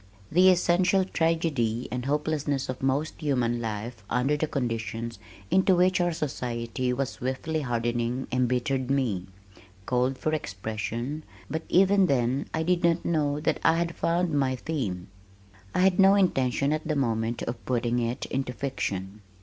The essential tragedy and hopelessness of most human life under the conditions into which our society was swiftly hardening embittered me, called for expression, but even then I did not know that I had found my theme. I had no intention at the moment of putting it into fiction.